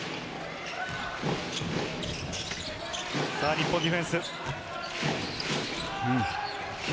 日本、ディフェンス。